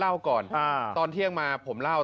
เห้ยใจด้วยว่าพี่เบิร์ครเล่าก่อน